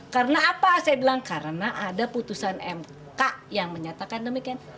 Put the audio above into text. karena apa saya bilang karena ada putusan mk yang menyatakan demikian